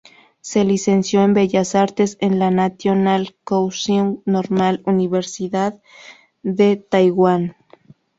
Se licenció en Bellas Artes en la National Kaohsiung Normal Universidad de Taiwán.